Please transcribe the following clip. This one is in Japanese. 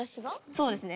そうですね。